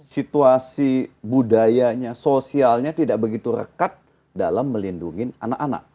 situasi budayanya sosialnya tidak begitu rekat dalam melindungi anak anak